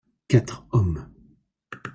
quatre hommes.